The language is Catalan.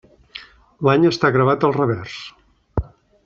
L'any està gravat al revers.